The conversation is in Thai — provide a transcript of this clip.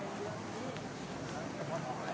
โปรดติดตามต่อไป